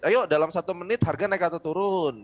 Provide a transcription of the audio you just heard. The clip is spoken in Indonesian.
ayo dalam satu menit harga naik atau turun